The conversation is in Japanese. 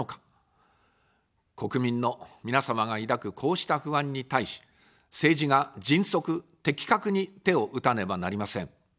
国民の皆様が抱くこうした不安に対し、政治が迅速、的確に手を打たねばなりません。